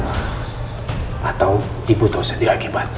atau ibu tahu sendiri akibatnya